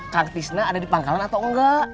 kang fisna ada di pangkalan atau enggak